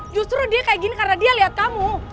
justru dia kayak gini karena dia lihat kamu